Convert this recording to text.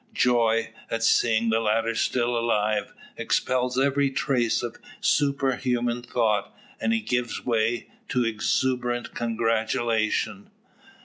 Joy, at seeing the latter still alive, expels every trace of supernatural thought, and he gives way to exuberant congratulation.